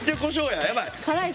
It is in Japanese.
やばい。